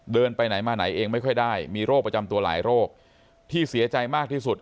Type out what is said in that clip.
ไปไหนมาไหนเองไม่ค่อยได้มีโรคประจำตัวหลายโรคที่เสียใจมากที่สุด